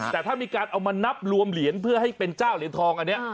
แต่ถ้ามีการเอามานับรวมเหรียญเพื่อให้เป็นเจ้าเหรียญทองอันนี้